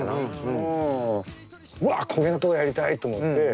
うわこげなとがやりたいと思って。